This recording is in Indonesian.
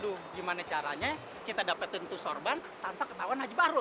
aduh gimana caranya kita dapetin tuh sorban tanpa ketahuan haji baru